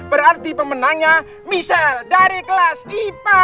berarti pemenangnya michelle dari kelas ipa